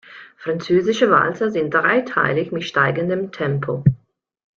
Französische Walzer sind dreiteilig mit steigendem Tempo.